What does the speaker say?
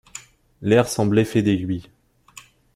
L’air semblait fait d’aiguilles.